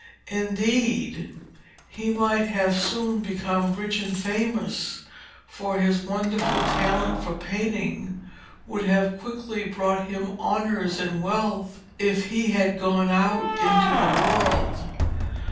Indeed, he might have soon become rich and famous, for his wonderful talent for painting would have quickly brought him honours and wealth if he had gone out into the world.